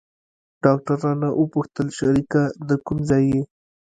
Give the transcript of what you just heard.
ډاکتر رانه وپوښتل شريکه د کوم ځاى يې.